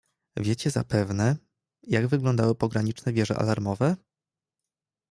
"Wiecie zapewne, jak wyglądały pograniczne wieże alarmowe?"